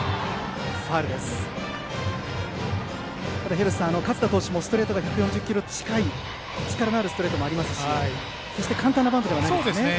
廣瀬さん、勝田投手も１４０キロ近い力のあるストレートもありますし決して簡単なバントじゃないですね。